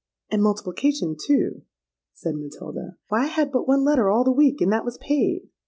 '—'And multiplication too,' said Matilda. 'Why, I had but one letter all the week, and that was paid.'